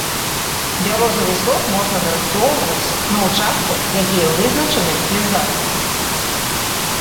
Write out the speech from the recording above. Бярозавы сок можна нарыхтоўваць на участках, якія вызначаны лясгасамі.